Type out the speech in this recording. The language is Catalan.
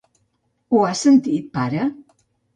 Ho has sentit, pare?